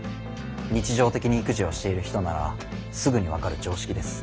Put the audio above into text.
日常的に育児をしている人ならすぐに分かる常識です。